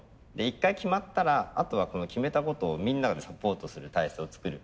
一回決まったらあとは決めたことをみんなでサポートする体制を作る。